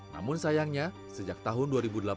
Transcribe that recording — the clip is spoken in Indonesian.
namun sayangnya sejak tahun dua ribu delapan belas